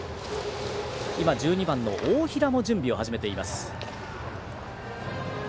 １２番の大平も準備を始めています。